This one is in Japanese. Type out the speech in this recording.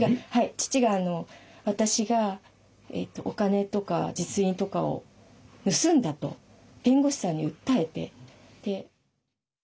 父が私がお金とか実印とかを盗んだと弁護士さんに訴えて。